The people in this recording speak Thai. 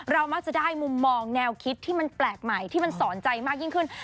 เรามักจะได้มุมมองแนวคิดที่มันแปลกใหม่ที่มันสอนใจมากยิ่งขึ้น